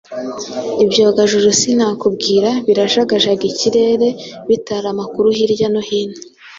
ibyogajuru sinakubwira birajagajaga ikirere bitara amakuru hirya no hino,